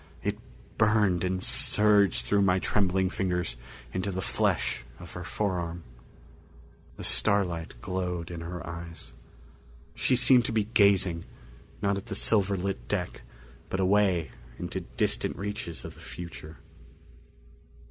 It burned and surged through my trembling fingers into the flesh of her forearm. The starlight glowed in her eyes. She seemed to be gazing, not at the silver lit deck, but away into distant reaches of the future.